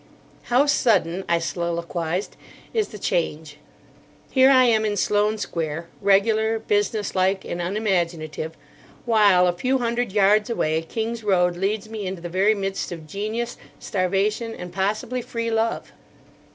"How sudden," I soliloquised, "is the change. Here I am in Sloane Square, regular, business like, and unimaginative; while, a few hundred yards away, King's Road leads me into the very midst of genius, starvation, and possibly Free Love."